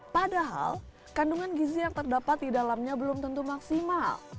padahal kandungan gizi yang terdapat di dalamnya belum tentu maksimal